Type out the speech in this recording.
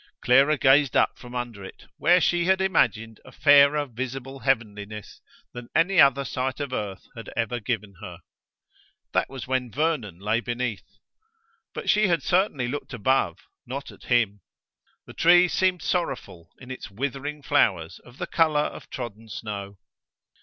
Clara gazed up from under it, where she had imagined a fairer visible heavenliness than any other sight of earth had ever given her. That was when Vernon lay beneath. But she had certainly looked above, not at him. The tree seemed sorrowful in its withering flowers of the colour of trodden snow.